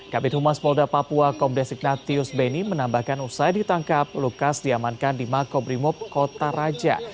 kabin humas polda papua kombes ignatius beni menambahkan usai ditangkap lukas diamankan di makobrimob kota raja